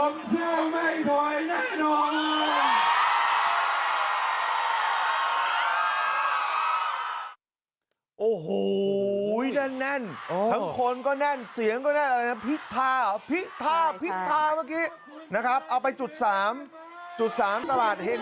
เพื่อมายืนยันว่าไม่ว่าจะเกิดอะไรครึ่ง